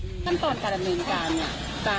พาพสมมุติตก็ตอนการเรียนการเนี่ยค่ะ